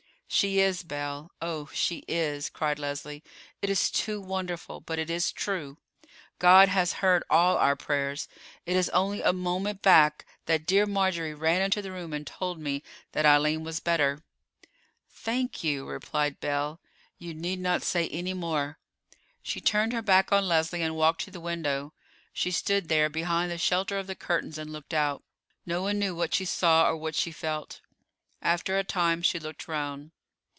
"She is, Belle; oh, she is," cried Leslie. "It is too wonderful; but it is true. God has heard all our prayers. It is only a moment back that dear Marjorie ran into the room and told me that Eileen was better." "Thank you," replied Belle; "you need not say any more." She turned her back on Leslie, and walked to the window. She stood there, behind the shelter of the curtains, and looked out. No one knew what she saw or what she felt. After a time she looked round.